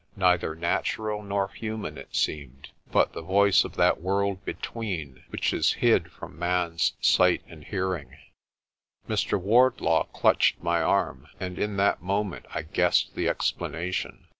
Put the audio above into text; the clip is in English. Neither natural nor human it seemed, but the voice of that world between which is hid from man's sight and hearing. Mr. Wardlaw clutched my arm, and in that moment I guessed the explanation.